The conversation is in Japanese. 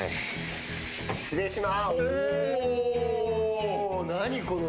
失礼しま。